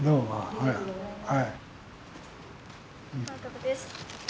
おめでとうございます。